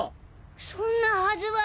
そんなはずは。